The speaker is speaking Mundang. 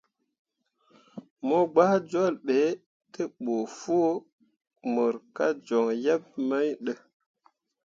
Mo gɓah jol be ne ɓə foo mor ka joŋ yebmain ɗə.